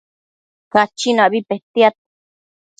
Cachina petiad